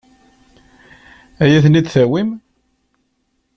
Ad iyi-ten-id-tawim?